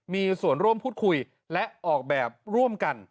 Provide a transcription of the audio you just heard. มีส่วนร่วมพูดคุยและออกแบบร่วมกัน